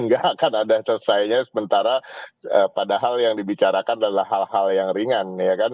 nggak akan ada selesainya sementara padahal yang dibicarakan adalah hal hal yang ringan ya kan